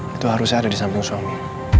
itu harus saya ada di samping suami